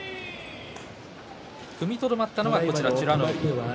踏みとどまったのは美ノ海。